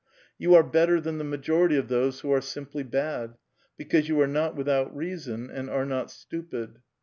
Yon are better than Trhe majority of those who are simply bad, because you are ^ot without reason and are not stupid.